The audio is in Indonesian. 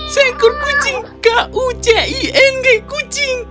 seengkur kucing k u c i n g kucing